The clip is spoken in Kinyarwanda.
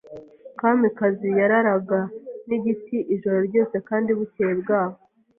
Kamikazi yararaga nk'igiti ijoro ryose kandi bukeye bwaho.